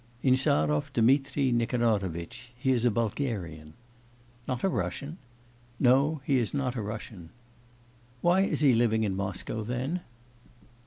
'Insarov Dmitri Nikanorovitch. He is a Bulgarian.' 'Not a Russian?' 'No, he is not a Russian,' 'Why is he living in Moscow, then?